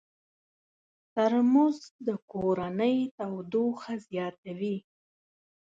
ترموز د کورنۍ تودوخه زیاتوي.